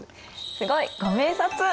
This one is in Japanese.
すごい！ご明察。